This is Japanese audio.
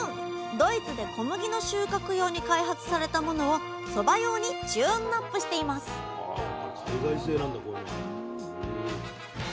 ドイツで小麦の収穫用に開発されたものをそば用にチューンナップしていますあやっぱり海外製なんだコンバイン。